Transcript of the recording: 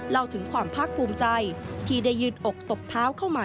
เล่าถึงความภาคภูมิใจที่ได้ยืดอกตบเท้าเข้ามา